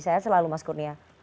saya selalu mas kurnia